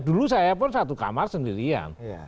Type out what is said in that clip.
dulu saya pun satu kamar sendirian